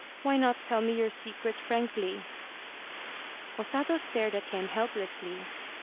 Why not tell me your secret frankly ?'' O Sato stared at him helplessly.